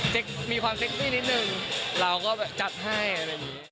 มีความเซ็กซี่นิดนึงเราก็แบบจัดให้อะไรอย่างนี้